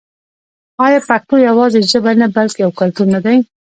آیا پښتو یوازې ژبه نه بلکې یو کلتور نه دی؟